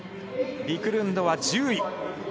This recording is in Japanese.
ビクルンドは１０位。